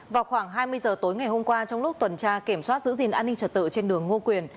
vào khoảng hai mươi giờ tối ngày hôm qua trong lúc tuần tra kiểm soát giữ gìn an ninh trật tự trên đường ngô quyền